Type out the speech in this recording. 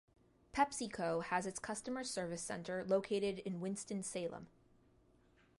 PepsiCo has its Customer Service Center located in Winston-Salem.